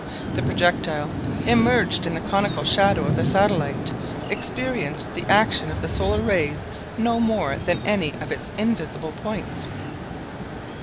The projectile, immerged in the conical shadow of the satellite, experienced the action of the solar rays no more than any of its invisible points.